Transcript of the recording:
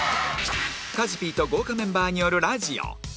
加地 Ｐ と豪華メンバーによるラジオ